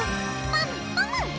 パムパム！